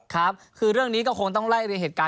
ครับคือเรื่องนี้ก็คงต้องไล่เรียงเหตุการณ์